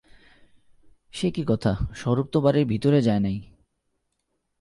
সেকি কথা, স্বরূপ তো বাড়ির ভিতরে যায় নাই।